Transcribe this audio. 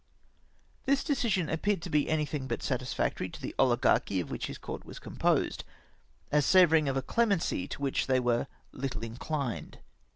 This decision a^^peared to be anything but satis factory to the ohgarchy of which his court was com posed, as savouring of a clemency to which they were httle inchned.